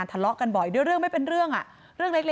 ไม่มีใครคาดคิดไงคะว่าเหตุการณ์มันจะบานปลายรุนแรงแบบนี้